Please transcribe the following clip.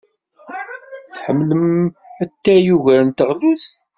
Tḥemmlem atay ugar n teɣlust.